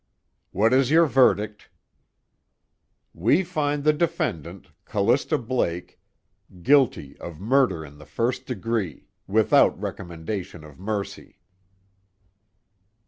"What is your verdict?" "We find the defendant, Callista Blake, guilty of murder in the first degree, without recommendation of mercy."